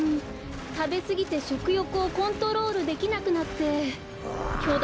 たべすぎてしょくよくをコントロールできなくなってきょだ